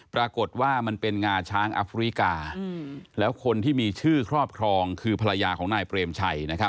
ปรากฏว่ามันเป็นงาช้างอัฟริกาแล้วคนที่มีชื่อครอบครองคือภรรยาของนายเปรมชัย